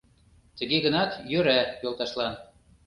Тыге гынат, йӧра, йолташлан.